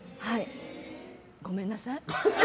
ごめんなさい。